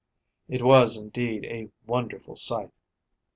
It was, indeed, a wonderful sight.